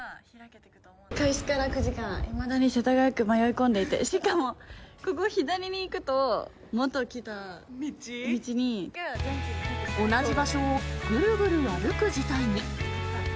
開始から９時間、いまだに世田谷区迷い込んでいて、しかも、ここ左に行くと、同じ場所をぐるぐる歩く事態に。